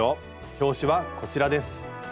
表紙はこちらです。